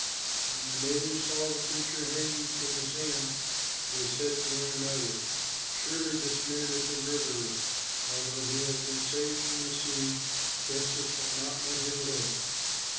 When the natives saw the creature hanging from his hand, they said to one another, "Surely this man is a murderer; although he has been saved from the sea, justice will not let him live."